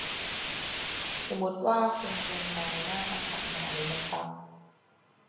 สมมุติว่าคุณเป็นนายหน้าอสังหาริมทรัพย์